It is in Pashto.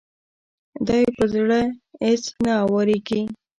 دا يې په زړه اېڅ نه اوارېږي.